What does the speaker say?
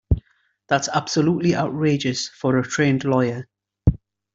That's absolutely outrageous for a trained lawyer.